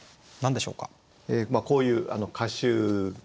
こういう歌集ですね。